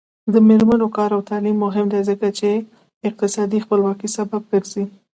د میرمنو کار او تعلیم مهم دی ځکه چې اقتصادي خپلواکۍ سبب ګرځي.